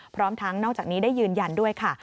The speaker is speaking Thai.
พร้อมทั้งนอกจากนี้ได้ยืนยันด้วยค่ะ